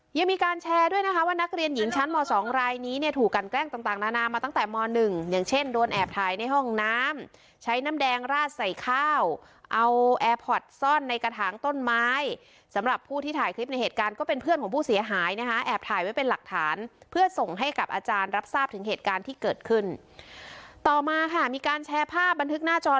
ยังมีการแชร์ด้วยนะคะว่านักเรียนหญิงชั้นม๒รายนี้ถูกกันแกล้งต่างนานามาตั้งแต่ม๑อย่างเช่นโดนแอบถ่ายในห้องน้ำใช้น้ำแดงราดใส่ข้าวเอาแอร์พอร์ตซ่อนในกระถางต้นไม้สำหรับผู้ที่ถ่ายคลิปในเหตุการณ์ก็เป็นเพื่อนของผู้เสียหายนะคะแอบถ่ายไว้เป็นหลักฐานเพื่อส่งให้กับอาจารย์รับทราบถ